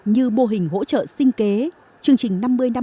như mô hình hỗ trợ sinh kế chương trình năm mươi năm mươi